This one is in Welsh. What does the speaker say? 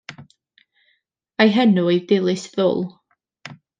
A'i henw yw Dilys Ddwl.